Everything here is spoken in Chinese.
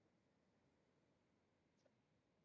顶端是鎏金的胜利女神和两个侍从像。